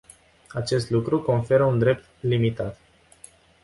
Acest lucru conferă un drept limitat.